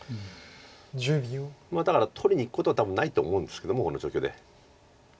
だから取りにいくことは多分ないと思うんですけどもこの状況で。